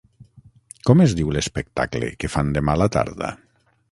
Com es diu l'espectacle que fan demà a la tarda?